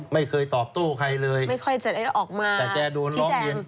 ไม่เคยตอบโต้ใครเลยไม่ค่อยจะได้ออกมาแต่แกโดนร้องเรียน